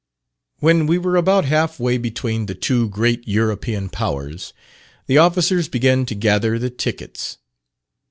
When we were about half way between the two great European Powers, the officers began to gather the tickets.